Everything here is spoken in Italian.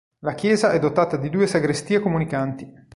La chiesa è dotata di due sagrestie comunicanti.